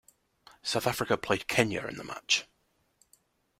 South Africa played Kenya in the match.